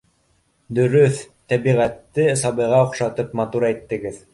— Дөрөҫ, тәбиғәтте сабыйға оҡшатып, матур әйттегеҙ